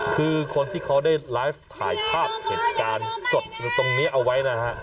คือคนที่เขาได้ไลฟ์ถ่ายภาพเหตุการณ์สดตรงนี้เอาไว้นะฮะ